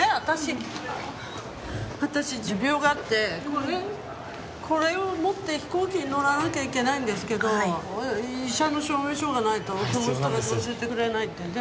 私持病があってこれこれを持って飛行機に乗らなきゃいけないんですけど医者の証明書がないとこの人が乗せてくれないって。